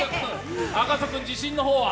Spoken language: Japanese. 赤楚君、自信の方は？